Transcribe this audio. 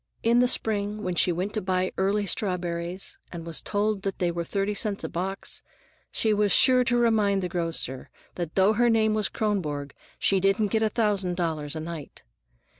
In the spring, when she went to buy early strawberries, and was told that they were thirty cents a box, she was sure to remind the grocer that though her name was Kronborg she didn't get a thousand dollars a night.